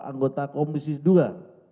anggota komisi dua